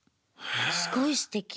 すごいすてきよ。